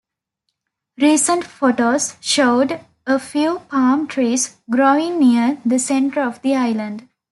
Recent photos showed a few palm trees growing near the center of the island.